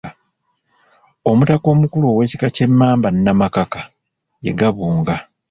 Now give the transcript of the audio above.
Omutaka omukulu ow’ekika ky’Emmamba Nnamakaka ye Gabunga.